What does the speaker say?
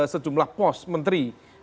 sejumlah pos menteri